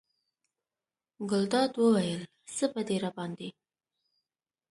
ګلداد وویل: څه به دې راباندې.